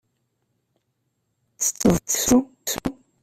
Ttetteḍ seksu?